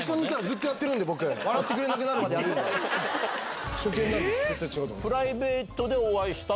ずっとやってるんで僕笑ってくれなくなるまでやるんで。